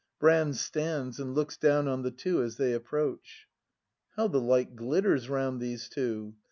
Brand stands and looks down on the two as they approach.] How the light glitters round these two!